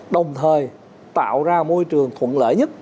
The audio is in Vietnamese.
đồng thời tạo ra môi trường thuận lợi nhất